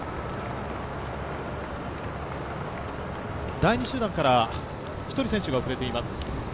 第２集団から、１人選手が遅れています。